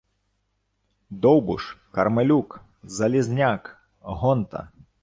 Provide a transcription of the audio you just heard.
Довбуш, Кармелюк, Залізняк, Гонта